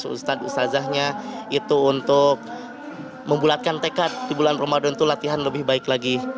ustadz ustazahnya itu untuk membulatkan tekad di bulan ramadan itu latihan lebih baik lagi